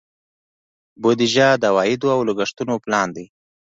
بودیجه د عوایدو او لګښتونو پلان دی.